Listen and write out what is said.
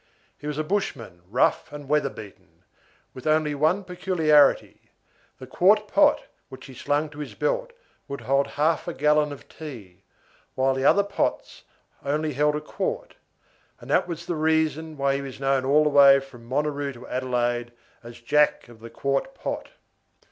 He was a bushman, rough and weather beaten, with only one peculiarity. The quart pot which he slung to his belt would hold half a gallon of tea, while other pots only held a quart, and that was the reason why he was known all the way from Monaroo to Adelaide as "Jack of the Quart Pot."